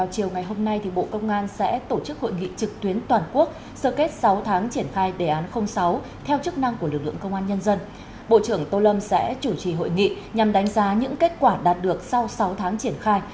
chúng tôi lấy một ví dụ như trong thời gian vừa qua chúng ta chủ trì hội nghị nhằm đánh giá những kết quả đạt được sau sáu tháng triển khai